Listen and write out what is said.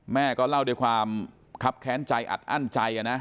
แม่ก็เล่าด้วยความคับแค้นใจอัดอั้นใจนะ